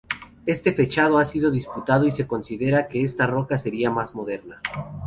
Este fechado ha sido disputado y se considera que esta roca sería más moderna.